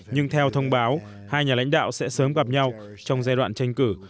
nhưng theo thông báo hai nhà lãnh đạo sẽ sớm gặp nhau trong giai đoạn tranh cử